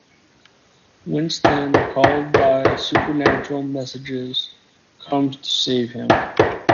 Winston, called by supernatural messages, comes to save him.